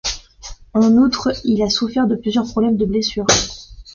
En outre, il a souffert de plusieurs problèmes de blessures.